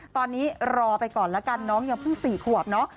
ตอนนี้รอไปก่อนแล้วกันน้องยังเพิ่ง๔ขวบเนาะ